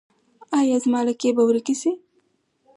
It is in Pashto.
ایا زما لکې به ورکې شي؟